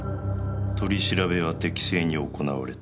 「取り調べは適正に行われた」